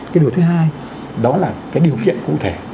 cái điều thứ hai đó là cái điều kiện cụ thể